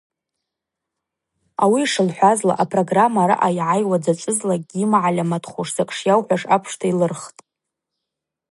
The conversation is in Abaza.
Ауи йшылхӏвазла, апрограмма араъа йгӏайуа дзачӏвызлакӏгьи йымагӏальаматхуш закӏ шйауаш апшта йлырхтӏ.